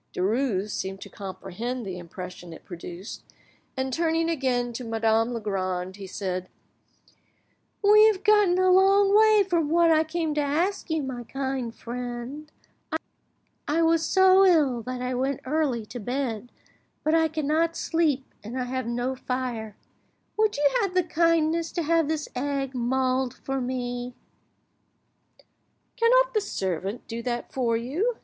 Derues seemed to comprehend the impression it produced, and tuning again to Madame Legrand, he said— "We have got a long way from what I came to ask you, my kind friend. I was so ill that I went early to bed, but I cannot sleep, and I have no fire. Would you have the kindness to have this egg mulled for me?" "Cannot your servant do that for you?"